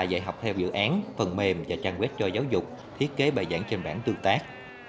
dạy học theo dự án phần mềm và trang web cho giáo dục thiết kế bài giảng trên bảng tương tác